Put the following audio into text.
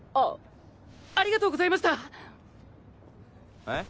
あありがとうございました。え？